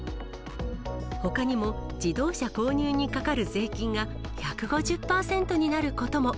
ほかにも、自動車購入にかかる税金が１５０％になることも。